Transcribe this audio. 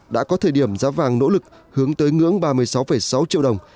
đã có thời điểm giá vàng nỗ lực hướng tới ngưỡng ba mươi sáu sáu triệu đồng